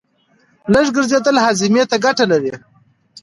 لږ ګرځېدل هاضمې ته ګټه لري.